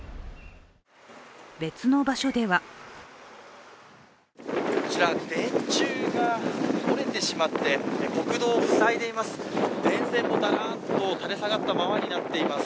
別の場所ではこちら電柱が折れてしまって国道を塞いでいます。